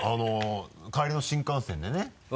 帰りの新幹線でね